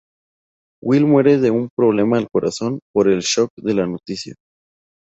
Will muere de un problema al corazón por el "shock" de la noticia.